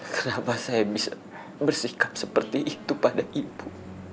kenapa saya bisa bersikap seperti itu pada ibu